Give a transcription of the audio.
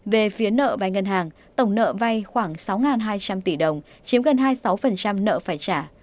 về phía nợ vay ngân hàng tổng nợ vay khoảng sáu hai trăm linh tỷ đồng chiếm gần hai mươi sáu nợ phải trả